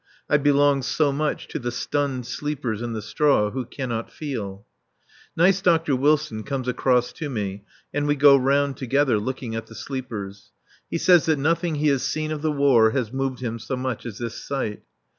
I belong so much to the stunned sleepers in the straw who cannot feel. Nice Dr. Wilson comes across to me and we go round together, looking at the sleepers. He says that nothing he has seen of the War has moved him so much as this sight.